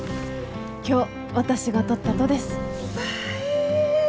今日私が撮ったとです。ばえー！